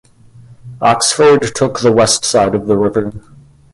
Oxford took the west side of the river.